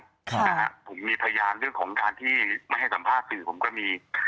ครับนะฮะผมมีพยานเรื่องของการที่ไม่ให้สัมภาษณ์สื่อผมก็มี